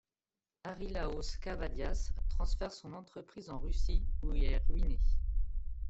Harilaos Kavvadias transfère son entreprise en Russie où il est ruiné.